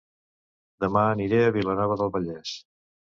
Dema aniré a Vilanova del Vallès